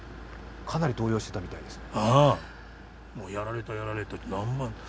かなり動揺していたみたいですか？